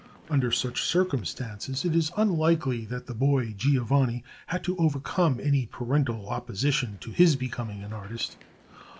Under such circumstances it is unlikely that the boy Giovanni had to overcome any parental opposition to his becoming an artist.